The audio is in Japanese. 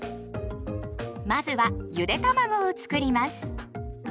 まずはゆでたまごをつくります。